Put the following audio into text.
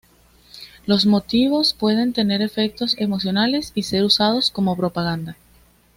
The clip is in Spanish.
Los motivos pueden tener efectos emocionales y ser usados como propaganda.